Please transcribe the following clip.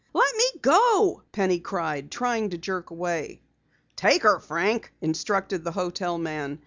"Let me go," Penny cried, trying to jerk away. "Take her, Frank," instructed the hotel man.